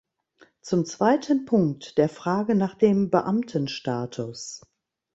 Zum zweiten Punkt, der Frage nach dem Beamtenstatus.